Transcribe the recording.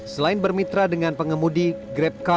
selain bermitra dengan pengemudi grabcar disamakan